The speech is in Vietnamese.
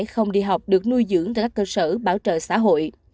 không đi học được nuôi dưỡng tại các cơ sở bảo trợ xã hội